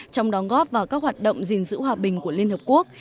trong đóng góp vào các hoạt động gìn giữ hòa bình của liên hợp quốc